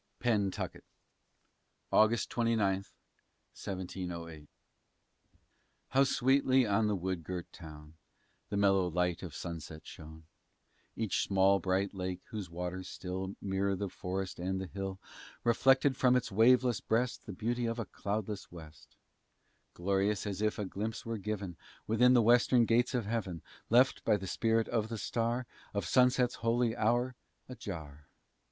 PENTUCKET [August 29, 1708] How sweetly on the wood girt town The mellow light of sunset shone! Each small, bright lake, whose waters still Mirror the forest and the hill, Reflected from its waveless breast The beauty of a cloudless west, Glorious as if a glimpse were given Within the western gates of heaven, Left, by the spirit of the star Of sunset's holy hour, ajar!